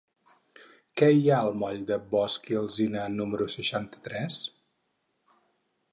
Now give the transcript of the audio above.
Què hi ha al moll de Bosch i Alsina número seixanta-tres?